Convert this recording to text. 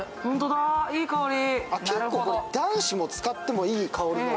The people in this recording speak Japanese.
男子も使ってもいい香りだね。